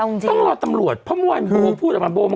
อุ้ยหนุ่มอย่าพูดนะ